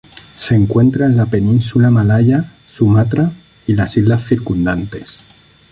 Se encuentra en la península malaya, Sumatra y las islas circundantes.